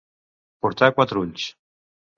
Portar quatre ulls.